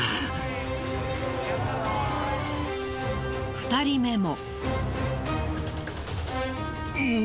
２人目も。